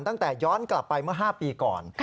ตั้งแต่ย้อนกลับไปเมื่อ๕ปีก่อน